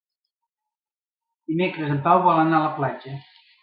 Dimecres en Pau vol anar a la platja.